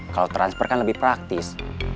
kalau transfer kan lebih praktis